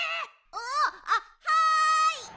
あっはい！